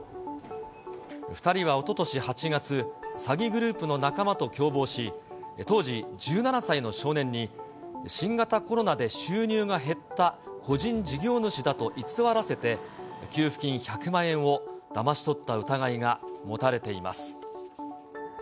２人はおととし８月、詐欺グループの仲間と共謀し、当時１７歳の少年に、新型コロナで収入が減った個人事業主だと偽らせて、給付金１００万円をだまし取った疑いが持たれています。